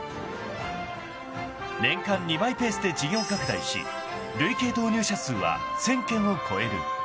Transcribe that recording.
［年間２倍ペースで事業拡大し累計導入社数は１，０００件を超える］